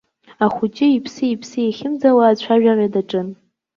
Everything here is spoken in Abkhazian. Ахәыҷы иԥси-иԥси еихьымӡауа, ацәажәара даҿын.